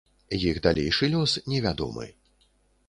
Іх далейшы лёс невядомы.